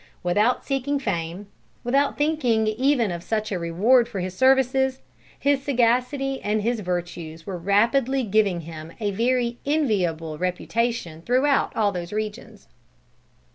Without seeking fame, without thinking even of such a reward for his services, his sagacity and his virtues were rapidly giving him a very enviable reputation throughout all those regions.